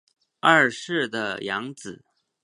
二世的养子。